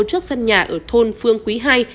trước sân nhà ở thôn phương quý ii